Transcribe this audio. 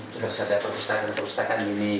terus ada perpustakaan perpustakaan ini